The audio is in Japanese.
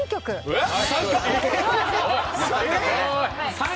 えっ！？